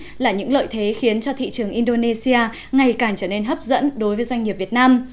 đây là những lợi thế khiến cho thị trường indonesia ngày càng trở nên hấp dẫn đối với doanh nghiệp việt nam